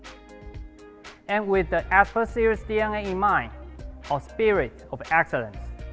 dan dengan dna asper series di pikirkan atau spirit of excellence